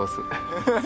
ハハハハ。